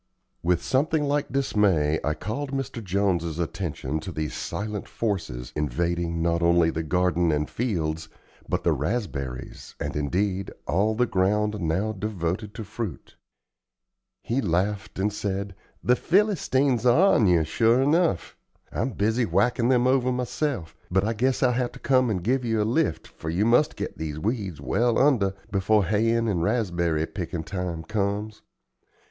With something like dismay I called Mr. Jones's attention to these silent forces, invading, not only the garden and fields, but the raspberries and, indeed, all the ground now devoted to fruit. He laughed and said: "The Philistines are on you, sure enough. I'm busy whackin' them over myself, but I guess I'll have to come and give you a lift, for you must get these weeds well under before hayin' and raspberry pickin' time comes.